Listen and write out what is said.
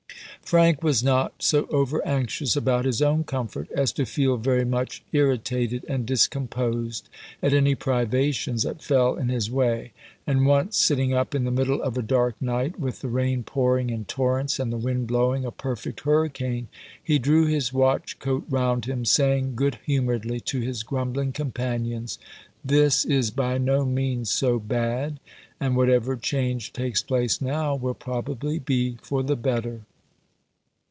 Frank was not so over anxious about his own comfort, as to feel very much irritated and discomposed at any privations that fell in his way, and once sitting up in the middle of a dark night, with the rain pouring in torrents, and the wind blowing a perfect hurricane, he drew his watch coat round him, saying good humouredly to his grumbling companions, "This is by no means so bad! and whatever change takes place now, will probably be for the better.